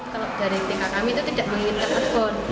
kalau dari tk kami itu tidak mengingatkan outbound